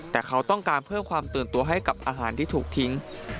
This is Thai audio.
แต่เขาต้องการเพิ่มความตื่นตัวให้กับอาหารที่ถูกทิ้ง